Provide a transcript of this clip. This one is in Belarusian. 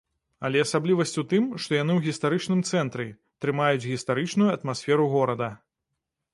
Але асаблівасць у тым, што яны ў гістарычным цэнтры, трымаюць гістарычную атмасферу горада.